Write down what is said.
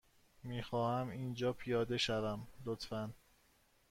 می خواهم اینجا پیاده شوم، لطفا.